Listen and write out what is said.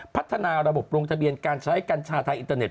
พัฒนาระบบลงทะเบียนการใช้กัญชาไทยอินเตอร์เน็